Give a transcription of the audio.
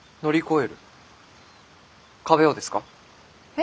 え？